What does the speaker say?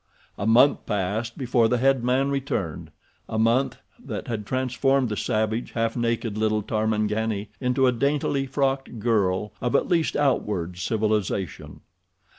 A month passed before the head man returned—a month that had transformed the savage, half naked little tarmangani into a daintily frocked girl of at least outward civilization.